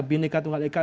bhinneka tunggal eka